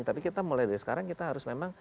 tapi kita mulai dari sekarang kita harus memang